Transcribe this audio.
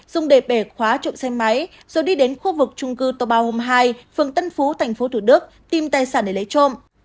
dùng để bẻ khóa trộm xe máy rồi đi đến khu vực trung cư tô bao hôm hai phường tân phú tp thủ đức tìm tài sản để lấy trộm